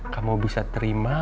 kamu bisa terima